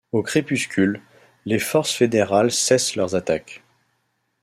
Au crépuscule, les forces fédérales cessent leurs attaques.